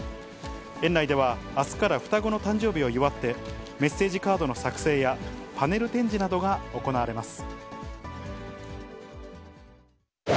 園内ではあすから双子の誕生日を祝って、メッセージカードの作成や、パネル展示などが行われます。